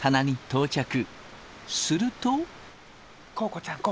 すると。